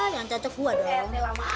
yang cacok gue dong